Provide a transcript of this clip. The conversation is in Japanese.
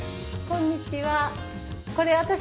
こんにちは。